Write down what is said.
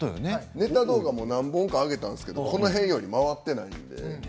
ネタ動画も何本か上げたんだけどこの辺より回っていない。